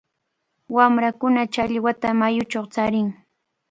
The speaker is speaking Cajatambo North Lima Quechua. Wamrakuna challwata mayuchaw charin.